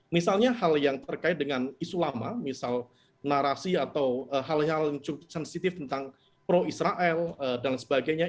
misalnya hal yang terkait dengan isu lama misal narasi atau hal hal yang cukup sensitif tentang pro israel dan sebagainya